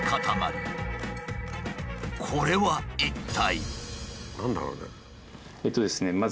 これは一体？